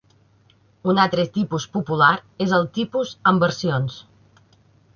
Un altre tipus popular és el tipus amb versions.